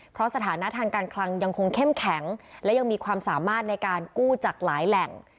เพราะสถานะทางการคลังยังคงเข้มแข็งและยังมีความสามารถในการกู้จากหลายแหล่ง